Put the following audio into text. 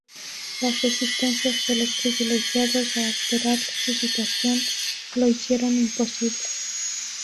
Las resistencias de los privilegiados a alterar su situación lo hicieron imposible.